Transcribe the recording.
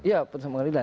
ya putusan pengadilan